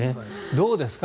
どうですか？